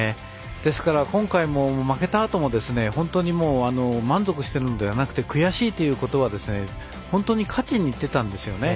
ですから、今回も負けたあとも本当に満足してるのではなくて悔しいということは本当に勝ちにいってたんですよね。